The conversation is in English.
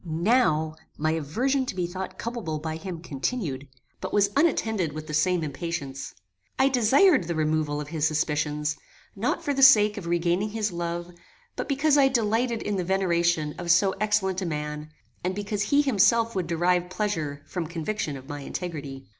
Now my aversion to be thought culpable by him continued, but was unattended with the same impatience. I desired the removal of his suspicions, not for the sake of regaining his love, but because I delighted in the veneration of so excellent a man, and because he himself would derive pleasure from conviction of my integrity.